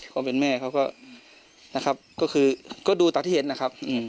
คนเป็นแม่เขาก็นะครับก็คือก็ดูตามที่เห็นนะครับ